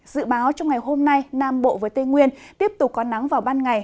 dự báo trong ngày hôm nay nam bộ với tây nguyên tiếp tục có nắng vào ban ngày